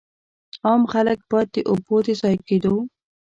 عام خلک باید د اوبو د ضایع کېدو.